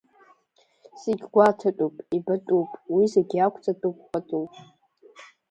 Зегь гәаҭатәуп, ибатәуп, уи зегь иақәҵатәуп пату.